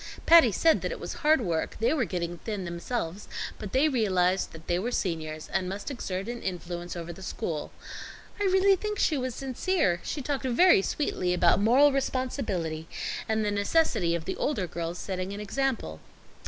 Patty said that it was hard work, they were getting thin themselves, but they realized that they were seniors and must exert an influence over the school. I really think she was sincere. She talked very sweetly about moral responsibility, and the necessity of the older girls setting an example."